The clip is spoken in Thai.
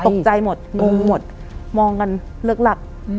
ตกใจหมดมองกันเลิกหลัก